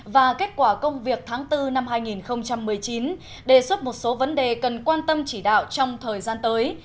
và kết quả công việc tháng bốn năm hai nghìn một mươi chín đề xuất một số vấn đề cần quan tâm chỉ đạo trong thời gian tới